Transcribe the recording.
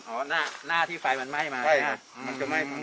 หน้าที่ไฟมันไหม้มา